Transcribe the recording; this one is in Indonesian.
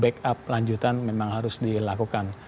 backup lanjutan memang harus dilakukan